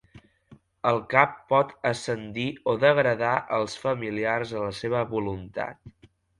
El cap pot ascendir o degradar als familiars a la seva voluntat.